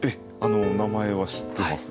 名前は知ってます。